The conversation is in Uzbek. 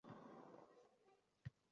Men ateistman.